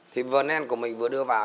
thì vernon của mình vừa đưa vào